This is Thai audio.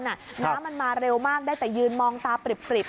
น้ำมันมาเร็วมากได้แต่ยืนมองตาปริบ